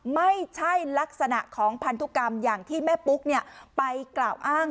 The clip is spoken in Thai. ไม่ใช่ลักษณะของพันธุกรรมอย่างที่แม่ปุ๊กไปกล่าวอ้าง